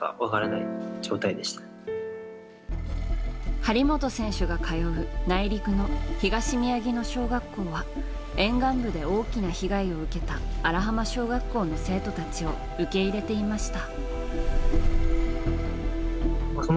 張本選手が通う、内陸の東宮城野小学校は沿岸部で大きな被害を受けた荒浜小学校の生徒たちを受け入れていました。